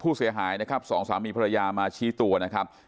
ผู้เสียหายนะครับสองสามีภรรยามาชี้ตัวนะครับ